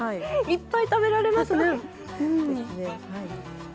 いっぱい食べられますね。